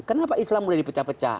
kenapa islam mulai di pecah pecah